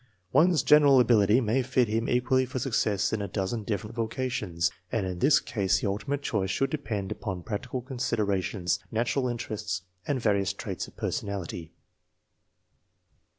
One's general ability may fit him equally for success in a dozen different vocations, and in this case the ultimate choice should depend upon practical considerations, natural interests, and various traits of personality.